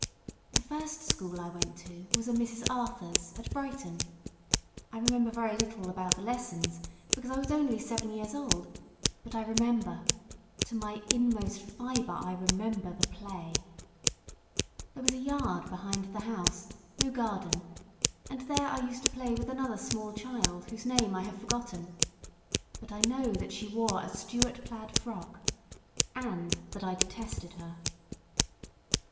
The first school I went to was a Mrs. Arthur's—at Brighton. I remember very little about the lessons, because I was only seven years old, but I remember—to my inmost fibre I remember the play. There was a yard behind the house—no garden and there I used to play with another small child whose name I have forgotten. But 1 know that she wore a Stuart plaid frock, and that I detested her.